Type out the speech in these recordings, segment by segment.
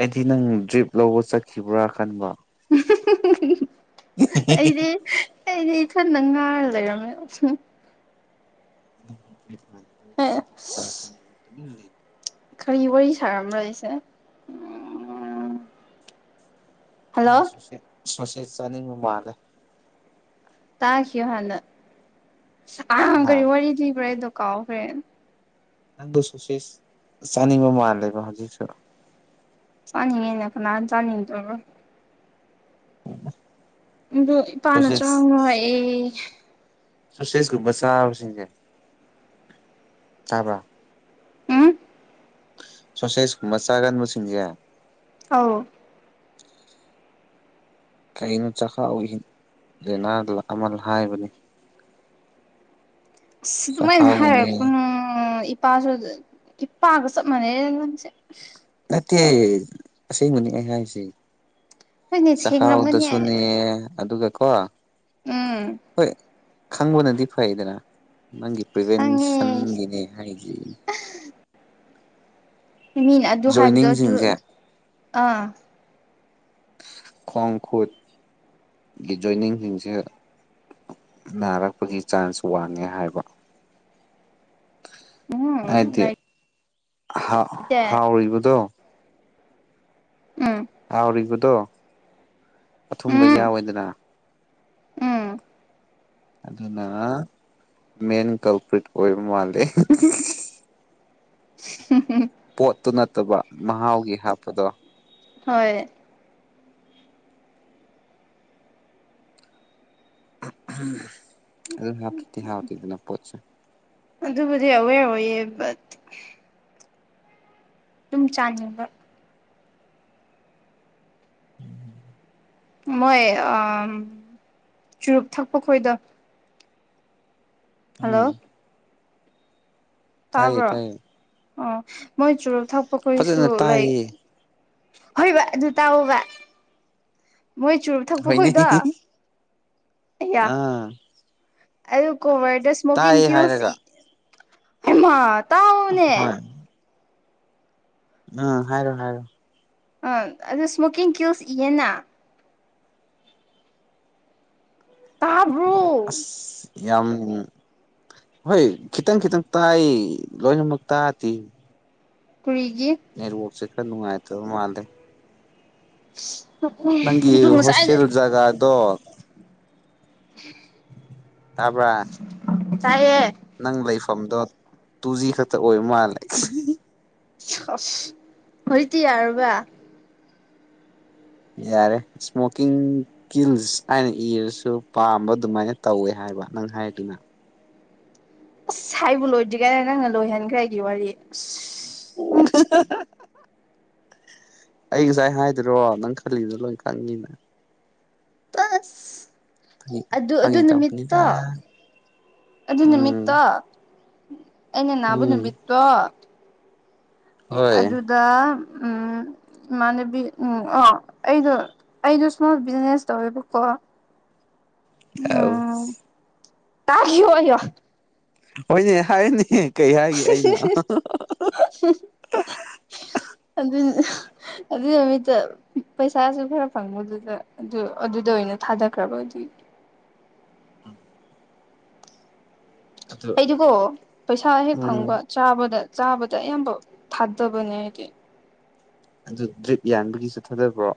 ꯑꯩꯗꯤ ꯅꯪ ꯗ꯭ꯔꯤꯞ ꯂꯧꯕ ꯆꯠꯈꯤꯕ꯭ꯔꯥ ꯈꯟꯕ [unintelligible] ꯑꯩꯗꯤ ꯑꯩꯗꯤ ꯏꯊꯟꯗ ꯉꯥꯡ ꯂꯩꯔꯝꯃꯦ [unintelligible] ꯀꯔꯤ ꯋꯥꯔꯤ ꯁꯥꯔꯝꯕ꯭ꯔ ꯑꯩꯁꯦ ꯅꯪ ꯍꯜꯂꯣ ꯁꯨꯁꯦ ꯁꯣꯁꯦꯖ ꯆꯥꯅꯤꯡꯕ ꯃꯥꯜꯂꯦ ꯇꯥꯈꯤꯌꯣ ꯍꯥꯟꯅ [unintelligible] ꯀꯔꯤ ꯍꯥ ꯋꯥꯔꯤ ꯂꯤꯕ꯭ꯔꯥ ꯑꯩꯗꯣ ꯀꯥꯎꯈ꯭ꯔꯦ ꯅꯪꯗꯣ ꯁꯣꯁꯦꯖ ꯆꯥꯅꯤꯡꯕ ꯃꯥꯜꯂꯦꯕ ꯍꯧꯖꯤꯛꯁꯨ ꯆꯅꯤꯡꯉꯦꯅꯥ ꯀꯅꯥꯟ ꯆꯥꯅꯤꯡꯗꯕꯔ ꯑꯗꯨ ꯏꯄꯥꯥꯅ ꯁꯣꯁꯦꯁ ꯆꯥꯎꯅꯣ ꯑꯦ ꯁꯣꯁꯦꯖꯀꯨꯝꯕ ꯆꯥꯕꯁꯤꯡꯁꯦ ꯇꯥꯕ꯭ꯔ ꯎꯝ ꯁꯣꯁꯦꯁꯀꯨꯝꯕ ꯆꯥꯒꯟꯕꯁꯤꯡꯁꯦ ꯑꯧ ꯀꯩꯅꯣ ꯆꯥꯛꯈꯥꯎ ꯂꯩꯅꯥ ꯑꯃ ꯍꯥꯏꯕꯅꯤ ꯑꯗꯨꯃꯥꯏꯅ ꯆꯈꯥꯎꯒꯤꯅꯦ ꯍꯥꯏꯔꯛꯀꯅꯨ ꯏꯄꯥꯁꯨ ꯏꯄꯥꯒ ꯆꯞ ꯃꯥꯟꯅꯩꯗ ꯅꯪꯁꯦ ꯅꯠꯇꯦ ꯑꯁꯤꯡꯕꯅꯤ ꯑꯩ ꯍꯥꯏꯁꯤ ꯍꯣꯏꯅꯦ ꯁꯦꯡꯔꯝꯒꯅꯤ ꯆꯈꯥꯎꯗꯁꯨꯅꯦ ꯑꯗꯨꯒꯀꯣ ꯎꯝ ꯍꯣꯏ ꯈꯪꯕꯅꯗꯤ ꯐꯩꯗꯅ ꯅꯪꯒꯤ ꯈꯪꯉꯦ ꯄ꯭ꯔꯤꯚꯦꯟꯁꯟꯒꯤꯅꯦ ꯍꯥꯏꯁꯤ [unintelligible] ꯃꯤꯅ ꯑꯗꯨ ꯍꯥꯏꯕꯗꯣ ꯑꯗꯨ ꯖꯣꯏꯅꯤꯡꯁꯤꯡꯁꯦ ꯑꯥ ꯈꯣꯡ ꯈꯨꯠꯒꯤ ꯖꯣꯏꯅꯤꯡꯁꯤꯡꯁꯦ ꯅꯥꯔꯛꯄꯒꯤ ꯆꯥꯟꯁ ꯋꯥꯡꯉꯦ ꯍꯥꯏꯕ ꯎꯝ ꯍꯥꯏꯗꯤ ꯍꯥꯥꯎ [unintelligible] ꯍꯥꯎꯔꯤꯕꯗꯣ ꯎꯝ ꯍꯥꯎꯔꯤꯕꯗꯣ ꯑꯊꯨꯝꯕ ꯎꯝ ꯌꯥꯎꯋꯦꯗꯅ ꯎꯝ ꯑꯗꯨꯅ ꯃꯦꯟ ꯀꯜꯀ꯭ꯔꯤꯠ ꯑꯣꯏꯕ ꯃꯥꯜꯂꯦ ꯄꯣꯠꯇꯨ ꯅꯠꯇꯕ ꯃꯍꯥꯎꯒꯤ ꯍꯥꯞꯄꯗꯣ ꯍꯣꯏ [inaudible] [unintelligible] ꯑꯗꯨ ꯍꯥꯀꯤꯇꯦ ꯍꯥꯥꯎꯇꯗꯅ ꯄꯣꯠꯆ [inaudible] ꯑꯗꯨꯕꯨꯗꯤ ꯑꯋꯦꯔ ꯑꯣꯏꯌꯦ ꯕꯠ ꯑꯗꯨꯨꯝ ꯆꯥꯅꯤꯡꯕ ꯃꯣꯏ ꯆꯨꯔꯨꯞ ꯊꯛꯄ ꯈꯣꯏꯗ ꯎꯝ ꯍꯜꯂꯣ ꯇꯥꯏꯌꯦ ꯇꯥꯕ꯭ꯔꯣ ꯇꯥꯏꯌꯦ ꯑꯣ ꯃꯣꯏ ꯆꯨꯔꯨꯞ ꯊꯛꯄꯈꯩꯁꯨ ꯐꯖꯅ ꯂꯩ ꯇꯥꯏꯌꯦ ꯍꯣꯏꯕ ꯑꯗꯨ ꯇꯥꯛꯑꯣꯣꯕ ꯃꯣꯏ ꯆꯨꯔꯨꯞ ꯍꯣꯏꯅꯦ ꯊꯛꯄꯈꯣꯏꯗꯣꯌꯥ ꯑꯥ ꯑꯗꯣ ꯀꯣꯕꯔꯗ ꯏꯁꯃꯣꯀꯤꯡ ꯇꯥꯏ ꯒꯤꯟ ꯍꯥꯏꯔꯒ ꯍꯩꯃꯥ ꯇꯥꯎꯅꯦ ꯍꯣꯏ ꯎꯝ ꯍꯥꯏꯔꯣ ꯍꯥꯏꯔꯣ ꯑꯝ ꯑꯗꯨꯣ ꯁ꯭ꯃꯣꯀꯤꯡ ꯀꯤꯜꯁ ꯏꯌꯦꯅ ꯎ ꯇꯥꯕ꯭ꯔꯣ ꯑꯁ ꯌꯥꯝ ꯍꯣꯏ ꯈꯤꯇꯪ ꯈꯤꯇꯪ ꯇꯥꯏ ꯂꯣꯏꯅꯃꯛ ꯇꯥꯗꯦ ꯀꯨꯔꯤꯒꯤ ꯅꯦꯠꯋꯥꯛꯁꯦ ꯈꯔ ꯅꯨꯡꯉꯥꯏꯇꯕ ꯃꯥꯜꯂꯦ ꯅꯪꯒꯤ ꯑꯗꯨ ꯉꯁꯥꯏ ꯍꯣꯁꯇꯦꯜ ꯖꯒꯥꯗꯣ ꯎꯝ ꯇꯥꯕ ꯇꯥꯏꯦ ꯅꯪ ꯂꯩꯐꯝꯗꯣ ꯇꯨ ꯖꯤ ꯈꯛꯇ ꯑꯣꯏꯕ ꯃꯥꯜꯂꯦ ꯍꯧꯇꯤꯔꯕ ꯌꯥꯔꯦ ꯁꯃꯣꯀꯤꯡ ꯀꯤꯜꯁ ꯍꯥꯏꯅ ꯏꯔꯁꯨ ꯄꯥꯝꯕ ꯑꯗꯨꯃꯥꯏꯅ ꯇꯧꯋꯦ ꯍꯥꯏꯕ ꯅꯪ ꯍꯥꯏꯗꯨꯅ ꯑꯁ ꯍꯥꯏꯕꯨ ꯂꯣꯏꯗ꯭ꯔꯤ ꯀꯥꯏꯅ ꯅꯪꯅ ꯂꯣꯏꯍꯟꯈ꯭ꯔꯦ ꯑꯩꯒꯤ ꯋꯥꯔꯤ ꯑꯁ ꯑꯣ ꯑꯩ ꯉꯁꯥꯏ ꯍꯥꯏꯗꯣꯏꯔꯣ ꯅꯪ ꯈꯜꯂꯤꯗꯨꯅ ꯂꯣꯏ ꯈꯪꯉꯤꯅ ꯑꯁ ꯐꯥꯒꯤ ꯑꯗꯨ ꯑꯗꯨ ꯐꯥꯒꯤ ꯇꯧꯕꯅꯤꯗ ꯅꯨꯃꯤꯠꯇꯣ ꯑꯗꯨ ꯎꯝ ꯅꯨꯃꯤꯠꯇꯣ ꯑꯅꯦ ꯎꯝ ꯅꯅꯥꯕꯨꯅꯕꯤꯠꯇꯣ ꯍꯣꯏ ꯑꯗꯨꯗ ꯎꯝ ꯏꯃꯥꯅꯕꯤ ꯎꯝ ꯑꯣ ꯑꯩꯗꯣ ꯑꯩꯗꯣ ꯏꯁꯃꯣꯜ ꯕꯤꯖꯤꯅꯦꯁ ꯇꯧꯋꯦꯕꯀꯣ ꯎꯝ ꯇꯣꯣ ꯍꯣꯏꯅꯦ ꯍꯥꯏꯅꯦ ꯀꯩ ꯍꯥꯏꯒꯦ ꯑꯩꯅ ꯑꯗꯨ ꯑꯗꯨꯒꯤ ꯅꯨꯃꯤꯠꯇꯣ ꯄꯩꯁꯥꯁꯨ ꯈꯔ ꯐꯪꯕꯗꯨꯗ ꯑꯗꯨ ꯑꯗꯨꯗ ꯑꯣꯏꯅ ꯊꯥꯗꯈ꯭ꯔꯕꯗꯤ ꯑꯗꯨꯏ ꯑꯗꯨ ꯑꯩꯗꯨꯀꯣ ꯄꯩꯁꯥ ꯍꯦꯛ ꯎꯝ ꯐꯪꯕ ꯆꯥꯕꯗ ꯆꯥꯕꯗ ꯑꯌꯥꯝꯕ ꯊꯥꯗꯕꯅꯦ ꯍꯥꯏꯗꯤ ꯑꯗꯨ ꯗ꯭ꯔꯤꯞ ꯌꯥꯟꯕꯒꯤ ꯆꯠꯊꯥꯗꯕ꯭ꯔꯣ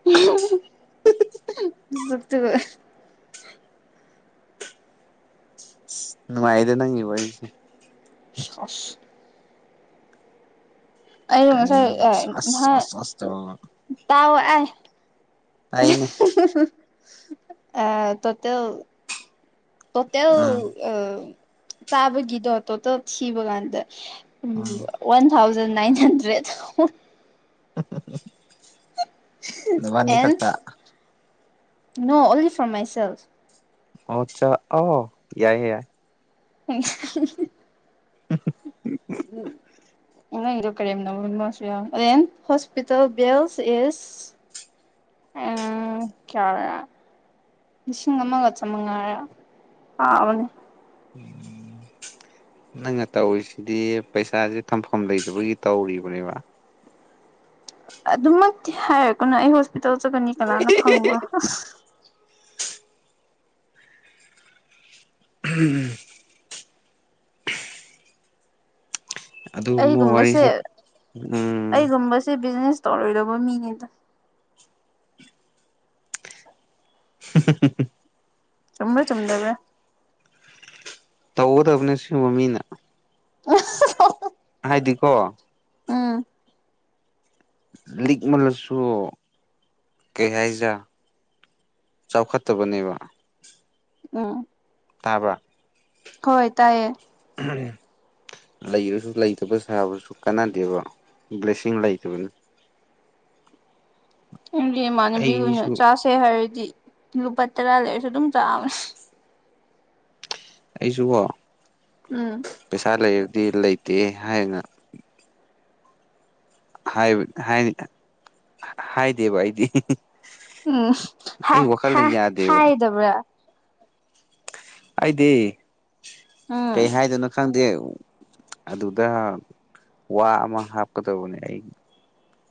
[unintelligible] ꯅꯅꯨꯡꯥꯏꯗꯦ ꯅꯪ ꯏ ꯋꯥꯣꯏꯁꯁꯤ ꯁꯁ ꯑꯩꯗꯣ ꯀꯁ ꯁꯁ ꯇꯑꯣ ꯑꯦ ꯇꯥꯏꯅꯦ ꯑ ꯇꯣꯠꯇ ꯄꯣꯠꯇ ꯑꯥ ꯑꯝ ꯆꯥꯕꯒꯤꯗꯣ ꯇꯣꯇꯦꯟ ꯊꯤꯕ ꯀꯥꯟꯗ ꯎꯝ ꯋꯥꯟ ꯊꯥꯎꯖꯟ ꯅꯏꯟ ꯍꯟꯗ꯭ꯔꯦꯠ ꯅꯨꯕꯥꯅꯤ ꯑꯦꯟ ꯈꯛꯇ no only for my sales ꯑꯣꯆꯥ ꯑꯣ ꯌꯥꯏ ꯌꯥ ꯌꯥꯏ [unintelligible] ꯎꯝ ꯅꯪꯗꯣ ꯀꯥꯔꯦꯝꯅꯕꯅ ꯑꯃꯁꯨ ꯌꯥꯎꯑꯦ ꯑꯦꯟ ꯍꯣꯁꯄꯤꯇꯥꯜ ꯕꯤꯦꯜ ꯏꯁ ꯎꯝ ꯆꯂ ꯂꯤꯁꯤꯡ ꯑꯃꯒ ꯆꯃꯉꯥꯔꯥꯎꯅꯦ ꯎꯝ ꯅꯪꯅ ꯇꯧꯔꯤꯁꯤꯗꯤ ꯄꯩꯁꯥꯁꯦ ꯊꯝꯐꯝ ꯂꯩꯇꯕꯒꯤ ꯇꯧꯔꯤꯕꯅꯦꯕ ꯑꯗꯨꯃꯛꯇꯤ ꯍꯥꯏꯔꯀꯅ ꯑꯩ ꯍꯣꯁꯄꯤꯇꯥꯜ ꯆꯠꯒꯅꯤ ꯀꯅꯥꯅ ꯈꯪꯕ꯭ꯔꯥ ꯎꯝ ꯎꯝ ꯑꯗꯨꯒꯨꯝꯕ ꯑꯩꯒꯨꯝꯕꯁꯦ ꯋꯥꯔꯤꯁꯦ ꯎꯝ ꯑꯩꯒꯨꯝꯕꯁꯦ ꯕꯤꯖꯤꯅꯦꯁ ꯇꯧꯔꯣꯏꯗꯧꯕ ꯃꯤꯅꯦꯗ ꯍꯦ ꯆꯨꯝꯕ꯭ꯔꯥ ꯆꯨꯝꯗꯕ꯭ꯔꯥ ꯇꯧꯒꯗꯕꯅꯦ ꯁꯤꯒꯨꯝꯕ ꯃꯤꯅ ꯎ ꯍꯥꯏꯗꯤꯀꯣ ꯎꯝ ꯂꯤꯛꯃꯜꯂꯁꯨ ꯀꯩ ꯍꯥꯏꯖꯥ ꯆꯥꯎꯈꯠꯇꯕꯅꯦꯕ ꯎꯝ ꯇꯥꯕ꯭ꯔꯥ ꯍꯣꯏ ꯇꯥꯏꯌꯦ ꯐ ꯂꯩꯔꯁꯨ ꯂꯩꯇꯕ ꯁꯥꯕꯁꯨ ꯀꯥꯟꯅꯗꯦꯕ ꯕ꯭ꯂꯦꯁꯤꯡ ꯂꯩꯇꯕꯅꯤ ꯗꯤ ꯏꯃꯥꯟꯅꯕꯤꯍꯨꯅꯨ ꯑꯩꯁꯨ ꯆꯥꯁꯦ ꯍꯥꯏꯔꯗꯤ ꯂꯨꯄꯥ ꯇꯔꯥ ꯂꯩꯔꯁꯨ ꯑꯗꯨꯝ ꯆꯥꯕꯅꯦ ꯑꯩꯁꯨꯀꯣ ꯎꯝ ꯄꯩꯁꯥ ꯂꯩꯔꯗꯤ ꯂꯩꯇꯦ ꯍꯥꯏꯌꯦꯅ ꯍꯥꯏꯕ ꯍꯥꯏꯅꯤ ꯍꯥꯏꯗꯦꯕ ꯑꯩꯗꯤ ꯎꯝ ꯍꯥ ꯑꯩ ꯋꯥꯈꯜꯅ ꯌꯥꯗꯦꯕ ꯍꯗꯕ꯭ꯔ ꯑꯩꯗꯤ ꯀꯩ ꯎꯝ ꯍꯥꯏꯗꯣꯏꯅꯣ ꯈꯪꯗꯦ ꯑꯗꯨꯗ ꯋꯥ ꯑꯃ ꯍꯥꯞꯀꯗꯧꯕꯅꯦ ꯑꯩ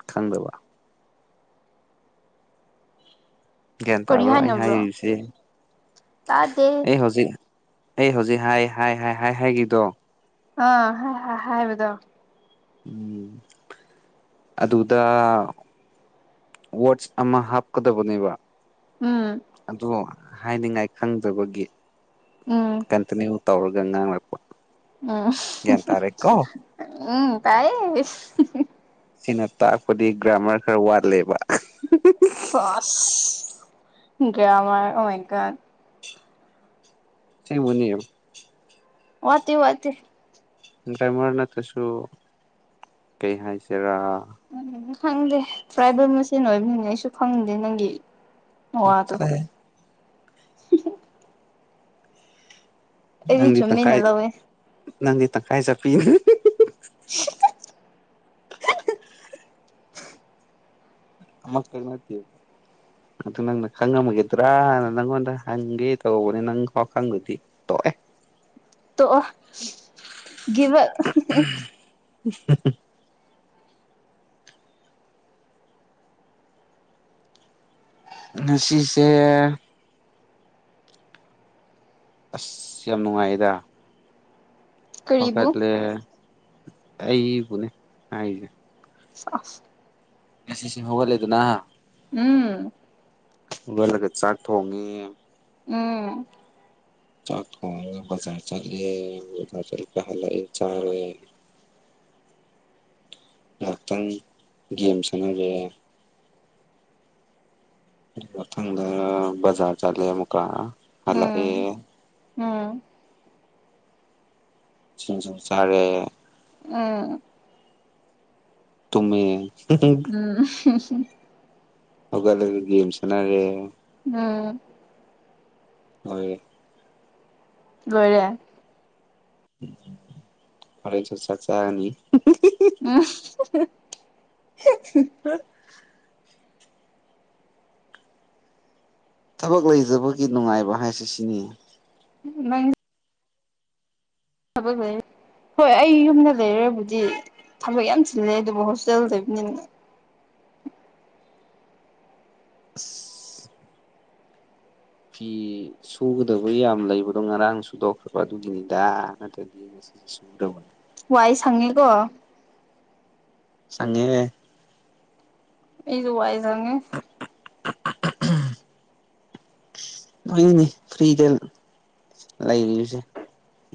ꯈꯪꯗꯕ ꯒ꯭ꯌꯥꯟ ꯀꯔꯤ ꯇꯥꯕ꯭ꯔꯣ ꯑꯩ ꯍꯥꯏꯅꯕ꯭ꯔꯣ ꯍꯥꯏꯔꯤꯕꯁꯦ ꯇꯥꯗꯦ ꯑꯩ ꯍꯧꯖꯤꯛ ꯑꯩ ꯍꯧꯖꯤꯛ ꯍꯥꯏ ꯍꯥꯏ ꯍꯥꯏ ꯍꯥꯏ ꯍꯥꯏꯈꯤꯗꯣ ꯑ ꯍꯥꯏꯕꯗꯣ ꯎꯝ ꯑꯗꯨꯗ ꯋꯥꯆ ꯑꯃ ꯍꯥꯞꯀꯗꯕꯅꯦꯕ ꯎꯝ ꯑꯗꯣ ꯍꯥꯏꯅꯤꯡꯉꯥꯏ ꯈꯪꯗꯕꯒꯤ ꯎꯝ ꯀꯟꯇꯤꯅ꯭ꯌꯨ ꯇꯧꯔꯒ ꯉꯥꯡꯔꯛꯄ ꯎꯝ ꯎꯝ ꯇꯥꯏ ꯁꯤꯅ ꯇꯥꯛꯄꯗꯤ ꯒ꯭ꯔꯥꯃꯔ ꯈꯔ ꯋꯥꯠꯂꯦꯕ ꯐꯥꯁ ꯗ꯭ꯔ ꯑꯃꯔ ꯑꯃꯀ ꯁꯤ ꯃꯅꯤꯌ ꯋꯥꯠꯇ ꯋꯥꯇ ꯗ꯭ꯔꯥꯏꯃꯔ ꯅꯠꯇ꯭ꯔꯁꯨ ꯀꯩ ꯍꯥꯏꯁꯤꯔꯥ ꯎꯝ ꯈꯪꯗꯦ ꯇ꯭ꯔꯥꯏꯕꯦꯜ ꯃꯆꯦꯜ ꯑꯣꯏꯕꯅꯤꯅ ꯑꯩꯁꯨ ꯈꯪꯗꯦ ꯅꯪꯒꯤ ꯆꯦ ꯋꯥꯗꯣ ꯑꯩꯗꯤ ꯅꯪꯗꯤ ꯆꯨꯝꯃꯤꯅ ꯇꯪꯈꯥꯏ ꯂꯧꯋꯦ ꯅꯪꯗꯤ ꯇꯪꯈꯥꯏ ꯆꯞꯄꯤꯤ [inaudible] [inaudible] ꯃꯁ ꯀ ꯅꯠꯇ ꯑꯗꯨ ꯅꯪꯅ ꯈꯪꯉꯝꯃꯒꯗ꯭ꯔꯥꯅ ꯅꯪꯉꯣꯟꯗ ꯍꯪꯒꯦ ꯇꯧꯕꯅꯦ ꯅꯪ ꯍꯥꯎ ꯈꯪꯕꯗꯤ ꯇ ꯇ ꯑꯣ ꯒꯤꯕ ꯎ ꯉꯁꯤꯁꯦ ꯑꯁ ꯌꯥꯝ ꯅꯨꯡꯉꯥꯏꯌꯦꯗ ꯀꯔꯤꯕꯨ ꯍꯧꯀꯠꯂꯦ ꯑꯩꯕꯨꯅꯦ ꯍꯥꯏꯁꯦ ꯑꯁ ꯉꯁꯤꯁꯤꯡ ꯍꯧꯒꯠꯂꯦꯗꯅ ꯎꯝ ꯏꯂꯣꯜꯂꯒ ꯆꯥꯛ ꯊꯣꯡꯉꯤ ꯎꯝ ꯆꯥꯛ ꯊꯣꯡꯉꯒ ꯕꯖꯥꯔ ꯆꯠꯂꯦ ꯕꯖꯥꯔ ꯆꯠꯂꯨꯔ ꯍꯜꯂꯛꯑꯦ ꯆꯥꯔꯦ ꯉꯥꯛꯇꯪ ꯒꯦꯝ ꯁꯥꯟꯅꯔꯦ ꯃꯊꯪꯗ ꯕꯖꯥꯔ ꯆꯠꯂꯦ ꯑꯃꯨꯛꯀ ꯎꯝ ꯍꯜꯂꯛꯑꯦ ꯎꯝ ꯁꯤꯡꯖꯨ ꯆꯥꯔꯦ [unintelligible] ꯇꯨꯝꯃꯦ ꯎꯝ ꯍꯧꯒꯠꯂꯒ ꯒꯦꯝ ꯁꯅꯥꯔꯦ ꯎꯝ ꯍꯣꯏ ꯂꯣꯏꯔꯦ ꯍꯣꯔꯦꯟꯁꯨ ꯆꯥꯛ ꯆꯥꯔꯅꯤ [unintelligible] [unintelligible] ꯊꯕꯛ ꯂꯩꯇꯕꯒꯤ ꯅꯨꯡꯉꯥꯏꯕ ꯍꯥꯏꯁꯦ ꯁꯤꯅꯤ ꯅꯪ ꯊꯕꯛ ꯂꯩ ꯍꯣꯏ ꯑꯩ ꯌꯨꯝꯗ ꯂꯩꯔꯕꯨꯗꯤ ꯊꯕꯛ ꯌꯥꯝ ꯆꯤꯜꯂꯦ ꯑꯗꯨꯕꯨ ꯍꯣꯁꯇꯦꯜ ꯂꯩꯕꯅꯤꯅ [unintelligible] ꯐꯤ ꯁꯨꯒꯗꯕ ꯌꯥꯝ ꯂꯩꯕꯗꯣ ꯉꯔꯥꯡ ꯁꯨꯗꯣꯛꯈ꯭ꯔꯕ ꯑꯗꯨꯒꯤꯅꯤꯗ ꯅꯠꯇ꯭ꯔꯗꯤ [unintelligible] ꯋꯥꯏ ꯁꯪꯉꯦꯀꯣ ꯁꯪꯉꯦ ꯑꯩꯗꯨ ꯋꯥꯏ ꯁꯪꯉꯦ [unintelligible] [unintelligible] ꯐ꯭ꯔꯤꯗ ꯂꯩꯔꯤꯁꯦ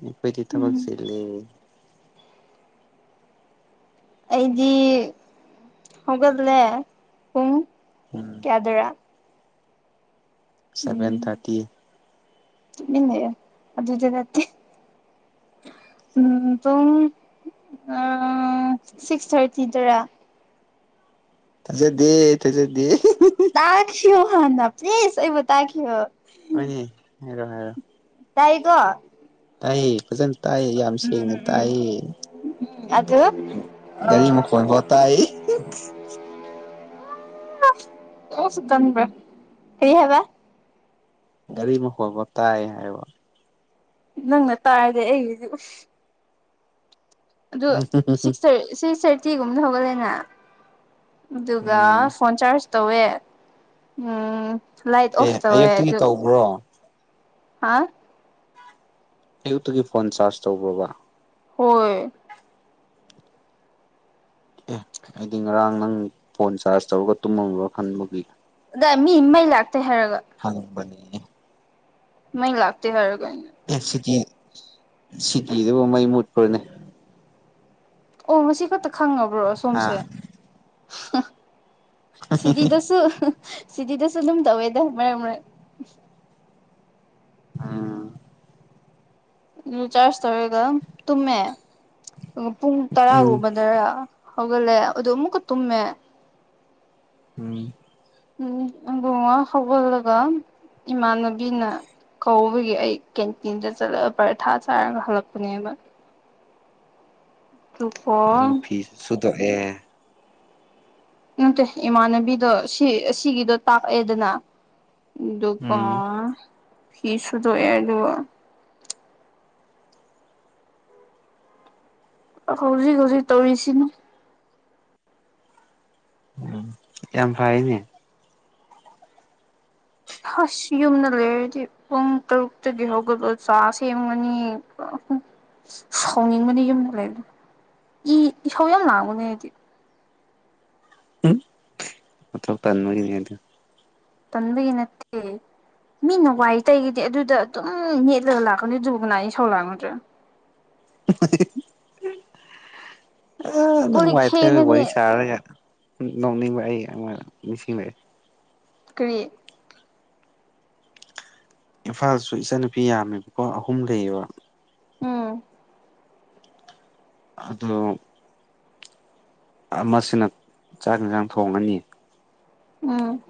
ꯑꯩꯈꯣꯏꯗꯤ ꯊꯕꯛ ꯎꯝ ꯆꯤꯜꯂꯦ ꯑꯩꯗꯤ ꯍꯧꯒꯠꯂꯦ ꯄꯨꯡ ꯎꯝ ꯀꯌꯥꯗꯔꯥ ꯁꯚꯦꯟ ꯎꯝ ꯊꯥꯔꯇꯤ ꯇꯨꯃꯤꯟ ꯂꯩꯌꯣ ꯑꯗꯨꯗꯤ ꯅꯠꯇꯦ ꯎꯝ ꯄꯨꯡ ꯑ ꯁꯤꯛꯁ ꯊꯥꯔꯇꯤꯗꯔꯥ ꯊꯥꯖꯗꯦ ꯊꯥꯖꯗꯦ ꯇꯥꯈꯤꯌꯣ ꯍꯥꯟꯅ ꯄ꯭ꯂꯤꯖ ꯑꯩꯕꯨ ꯇꯥꯈꯤꯌꯣ ꯍꯣꯏꯅꯦ ꯍꯥꯏꯔꯣ ꯍꯥꯏꯔꯣ ꯇꯥꯏꯀꯣ ꯇꯥꯏꯌꯦ ꯐꯖꯅ ꯇꯥꯏ ꯌꯥꯝ ꯁꯦꯡꯅ ꯇꯥꯏꯌꯦ ꯑꯗꯨ ꯑ ꯒꯥꯔꯤ ꯃꯈꯣꯟꯐꯥꯎ ꯇꯥꯏ [unintelligible] [unintelligible] ꯀꯔꯤ ꯍꯥꯏꯕ ꯒꯥꯔꯤ ꯃꯈꯣꯟꯐꯧ ꯇꯥꯏ ꯍꯥꯏꯕ ꯅꯪꯅ ꯇꯥꯔꯗꯤ ꯑꯩꯒꯤꯗꯤ ꯎꯁ ꯑꯗꯨ ꯁꯤꯛꯁ ꯊꯔ ꯁꯤꯛꯁ ꯊꯥꯔꯇꯤꯒꯨꯝꯅ ꯍꯧꯒꯠꯂꯦꯅꯥ ꯑꯗꯨꯒ ꯎꯝ ꯐꯣꯟ ꯆꯥꯔꯖ ꯇꯧꯋꯦ ꯎꯝ ꯂꯥꯏꯠ ꯑꯣꯐ ꯑꯦ ꯇꯧꯋꯦ ꯑꯌꯨꯛꯇꯒꯤ ꯑꯗꯨ ꯇꯧꯕ꯭ꯔꯣ ꯍꯥ ꯑꯌꯨꯛꯇꯨꯗꯤ ꯐꯣꯟ ꯆꯥꯔꯖ ꯇꯧꯕ꯭ꯔꯣꯕ ꯍꯣꯏ꯫ ꯑꯦ ꯑꯩꯗꯤ ꯉꯔꯥꯡ ꯅꯪ ꯐꯣꯟ ꯆꯥꯔꯖ ꯇꯧꯔꯒ ꯇꯨꯝꯃꯝꯕ ꯈꯟꯕꯒꯤ꯫ ꯗꯦ ꯃꯤ ꯃꯩ ꯂꯥꯛꯇꯦ ꯍꯥꯏꯔꯒ꯫ ꯍꯪꯄꯥꯅꯦ꯫ ꯃꯩ ꯂꯥꯛꯇꯦ ꯍꯥꯏꯔꯒ꯫ ꯑꯦ ꯁꯤꯇꯤ ꯁꯤꯇꯤꯗꯕꯨ ꯃꯩ ꯃꯨꯠꯄ꯭ꯔꫭꯅꯦ꯫ ꯑꯣ ꯉꯁꯤ ꯈꯛꯇ ꯈꯪꯉꯕ꯭ꯔꯣ ꯁꯣꯝꯁꯦ꯫ ꯍꯥ ꯁꯤꯇꯤꯗꯁꯨ ꯁꯤꯇꯤꯗꯁꯨ ꯑꯗꯨꯝ ꯇꯧꯋꯦꯗ ꯃꯔꯛ ꯃꯔꯛ꯫ ꯑꯥ꯫ ꯎꯝ ꯆꯥꯔꯖ ꯇꯧꯔꯒ ꯇꯨꯝꯃꯦ ꯄꯨꯡ ꯎꯝ ꯇꯔꯥꯒꯨꯝꯕꯗꯔꯥ꯫ ꯍꯧꯒꯠꯂꯦ ꯑꯗꯨ ꯃꯨꯛꯀ ꯇꯨꯝꯃꯦ꯫ ꯎꯝ꯫ ꯎꯝ ꯑꯒꯉ ꯍꯧꯒꯜꯂꯒ ꯏꯃꯥꯟꯅꯕꯤꯅ ꯀꯧꯕꯒꯤ ꯑꯩ ꯀꯦꯟꯇꯤꯟꯗ ꯆꯠꯂꯒ ꯄꯔꯊꯥ ꯆꯥꯔꯒ ꯍꯜꯂꯛꯄꯅꯦꯕ꯫ ꯑꯗꯨꯒ ꯐꯤ ꯁꯨꯗꯣꯛꯑꯦ꯫ ꯅꯠꯇꯦ ꯏꯃꯥꯟꯅꯕꯤꯗꯣ ꯁꯤ ꯑꯁꯤꯒꯤꯗꯣ ꯇꯥꯛꯑꯦꯗꯅ꯫ ꯗꯨꯒ ꯎꯝ ꯐꯤ ꯁꯨꯗꯣꯛꯑꯦ ꯑꯗꯨꯒ ꯍꯧꯖꯤꯛ ꯍꯧꯖꯤꯛ ꯇꯧꯔꯤꯁꯤꯅꯤ꯫ ꯌꯥꯝ ꯐꯩꯅꯦ꯫ ꯍꯁ ꯌꯨꯝꯗ ꯂꯩꯔꯗꯤ ꯄꯨꯡ ꯇꯔꯨꯛꯇꯗꯤ ꯍꯧꯒꯗ ꯆ ꯁꯦꯝꯒꯅꯤ꯫ ꯁꯥꯎꯅꯤꯡꯕꯅꯦ ꯌꯨꯝꯗ ꯂꯩꯗ ꯏ ꯏꯁꯥꯎ ꯌꯥꯝ ꯂꯥꯡꯕꯅꯦ ꯑꯩꯗꯤ꯫ ꯎꯝ ꯃꯊꯧ ꯇꯟꯕꯒꯤꯅꯦ ꯑꯗꯨ꯫ ꯇꯟꯕꯒꯤ ꯅꯠꯇꯦ꯫ ꯃꯤꯅ ꯋꯥꯏ ꯇꯩꯒꯤꯗꯤ ꯑꯗꯨꯗ ꯑꯗꯨꯝ ꯅꯦꯠꯂꯒ ꯂꯥꯛꯀꯅꯤ ꯑꯗꯨꯕꯨ ꯀꯅꯥ ꯏꯁꯧ ꯂꯥꯡꯉꫭꯏꯗ꯭ꯔꯥ꯫ ꯑ ꯀꯣꯜ ꯅꯪ ꯂꯤꯛ ꯋꯥꯥꯏ ꯇꯩ ꯐꯦꯡꯒꯅꯤ ꯋꯥꯔꯤ ꯁꯥꯔꯒ꯫ ꯅꯣꯡꯅꯤꯡꯕ ꯑꯩ ꯑꯃ ꯃꯤꯁꯤꯡꯂꯛꯑꯦ꯫ ꯀꯔꯤ꯫ ꯏꯝꯐꯥꯜꯁꯨ ꯏꯆꯟꯅꯨꯄꯤ ꯌꯥꯝꯃꯦꯕꯀꯣ ꯑꯍꯨꯝ ꯂꯩꯌꯦꯕ꯫ ꯎꯝ꯫ ꯑꯗꯣ꯫ ꯑꯃꯁꯤꯅ ꯆꯥꯛ ꯌꯦꯟꯁꯥꯡ ꯊꯣꯡꯉꯅꯤ꯫ ꯎꯝ꯫